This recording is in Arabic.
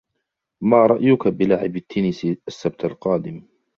ما رأيك بلعب التنس السبت القادم ؟